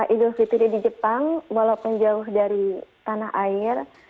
idul fitri di jepang walaupun jauh dari tanah air